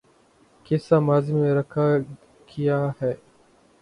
قصہ ماضی میں رکھا کیا ہے